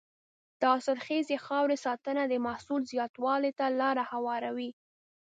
د حاصلخیزې خاورې ساتنه د محصول زیاتوالي ته لاره هواروي.